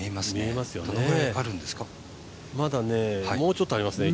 まだもうちょっとありますね